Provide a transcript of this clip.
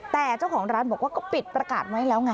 แต่เจ้าของร้านบอกว่าก็ปิดประกาศไว้แล้วไง